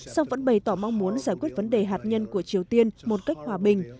song vẫn bày tỏ mong muốn giải quyết vấn đề hạt nhân của triều tiên một cách hòa bình